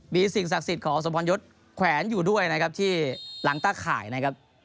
มีสิ่งศักดิ์สิทธิ์ของสมพรยศแขวนอยู่ด้วยนะครับที่หลังตะข่ายนะครับ